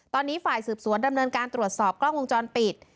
ตอนนี้ฝ่ายสืบสวนดำเนินการตรวจสอบกล้องวงจรปิด